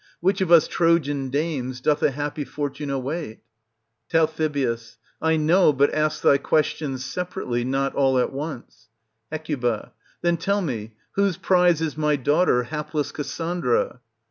Which of us Trojan dames doth a happy fortune await ? Tal. I know, but ask thy questions separately, not all at once. Hec. Then tell me, whose prize is my daughter, hapless Cassandra?